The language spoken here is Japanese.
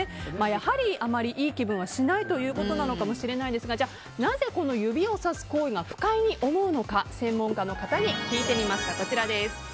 やはりあまりいい気分はしないということなのかもしれないですがじゃあ、なぜこの指をさす行為が不快に思うのか専門家の方に聞いてみました。